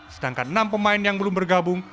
sedangkan enam pemain yang belum bergabung